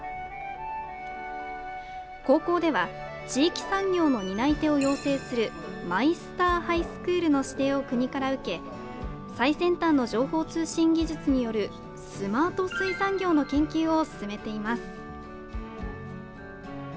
高校では地域産業の担い手を養成するマイスター・ハイスクールの指定を国から受け最先端の情報通信技術によるスマート水産業の研究を進めています。